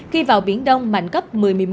khi vào biển đông mạnh cấp một mươi một mươi một